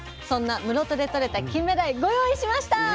そんな室戸でとれたキンメダイご用意しました。